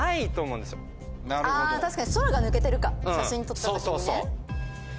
あ確かに空が抜けてるか写真撮った時にね。